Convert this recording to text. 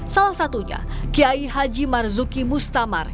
salah satunya kiai haji marzuki mustamar